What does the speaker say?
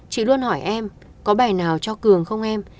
chị luôn hỏi em có bài nào cho cường không em